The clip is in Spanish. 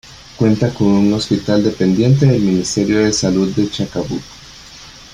Cuenta con un Hospital dependiente del Ministerio de Salud de Chacabuco.